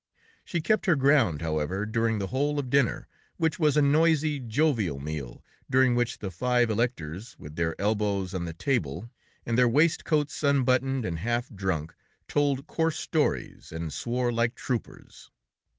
She kept her ground, however, during the whole of dinner, which was a noisy, jovial meal, during which the five electors, with their elbows on the table, and their waistcoats unbuttoned, and half drunk, told coarse stories, and swore like troopers.